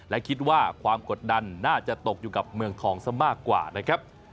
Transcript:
และคิดว่าความกดดันน่าจะตกอยู่กับเมืองทองซะมากกว่านะครับ